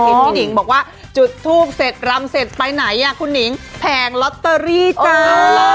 พี่หนิงบอกว่าจุดทูปเสร็จรำเสร็จไปไหนคุณหนิงแผงลอตเตอรี่จ้า